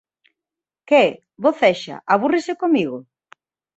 Que? Bocexa? Abúrrese comigo?